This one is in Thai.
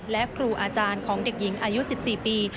และครูอาจารย์ของเด็กหญิงอายุ๑๔ปี